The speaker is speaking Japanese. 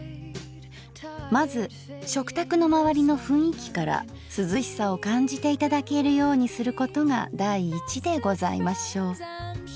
まず食卓のまわりのふんいきから涼しさを感じて頂けるようにすることが第一でございましょう。